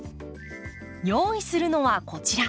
用意するのはこちら。